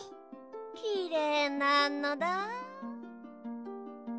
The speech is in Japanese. きれいなのだ。